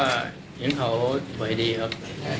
อ้างไม่ใช้ชีวิตปกติไหมครับ